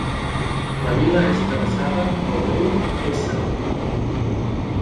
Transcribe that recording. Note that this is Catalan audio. La vila és travessada pel riu Éssera.